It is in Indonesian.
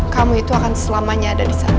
kamu itu akan selamanya ada di sana